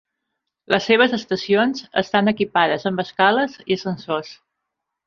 Les seves estacions estan equipades amb escales i ascensors.